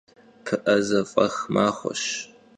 Pı'ezef'eh maxueş.